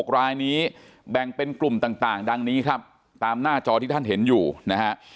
๖รายนี้แบ่งเป็นกลุ่มต่างดังนี้ครับตามหน้าจอที่ท่านเห็นอยู่นะฮะ